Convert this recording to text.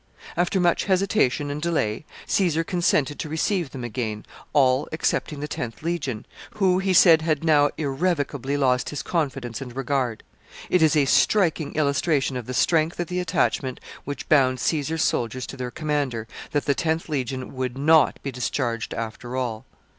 After much hesitation and delay, Caesar consented to receive them again, all excepting the tenth legion, who, he said, had now irrevocably lost his confidence and regard. It is a striking illustration of the strength of the attachment which bound Caesar's soldiers to their commander, that the tenth legion would not be discharged, after all.